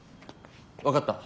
分かった。